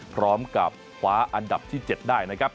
พร้อมกับคว้าอันดับที่๗ได้นะครับ